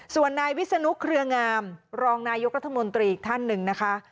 ส่วนนายวิศนุเครืองามรองนายกรัฐมนตรีอีกท่านหนึ่งนะคะ